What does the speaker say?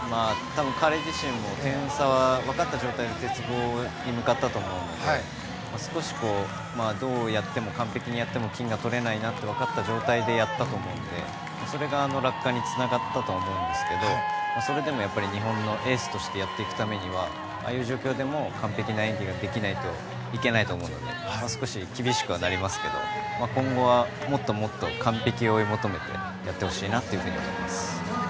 多分、彼自身も点差が分かった状態で鉄棒に向かったと思うのでどうやっても、完璧にやっても金がとれないなと分かった状態でやったと思うのでそれがあの落下につながったと思うんですけどそれでも、日本のエースとしてやっていくためにはああいう状況でも完璧な演技ができないといけないと思うので少し厳しくはなりますけど今後はもっともっと完璧を追い求めてやってほしいなというふうに思います。